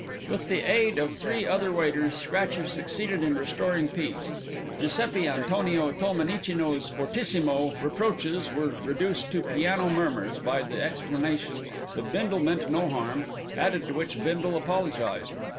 With the aid of three other waiters, Scratcher succeeded in restoring peace. Giuseppi Antonio Tolmenicino's fortissimo reproaches were reduced to piano murmurs by the explanation that Bindle meant no harm, added to which Bindle apologised.